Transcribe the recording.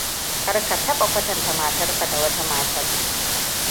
Kar ka taba kwatanta matar ka da wata matar.